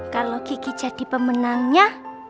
kalau kiki jadi pemenangnya